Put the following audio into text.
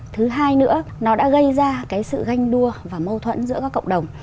thứ hai nữa nó đã gây ra sự ganh đua và mâu thuẫn giữa các cộng đồng